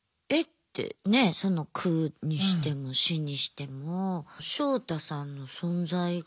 ってねその区にしても市にしてもショウタさんの存在が。